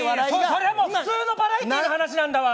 それは普通のバラエティーの話なんだわ！